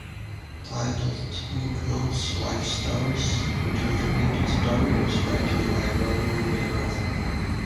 Titled "Booknotes: Life Stories", each contributed story was written by a well-known biographer.